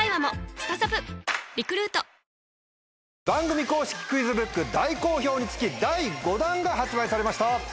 番組公式クイズブック大好評につき第５弾が発売されました。